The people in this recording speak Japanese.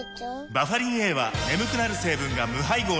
バファリンＡは眠くなる成分が無配合なんです